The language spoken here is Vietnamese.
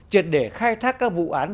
chuyện để khai thác các vụ án